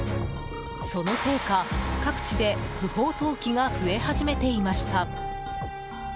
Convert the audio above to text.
そのせいか、各地で不法投棄が増え始めていました。